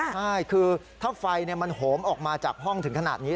ใช่คือถ้าไฟมันโหมออกมาจากห้องถึงขนาดนี้